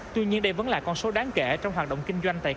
tuy nhiên đây vẫn là con số đáng kể trong hoạt động kinh doanh